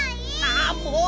ああもう！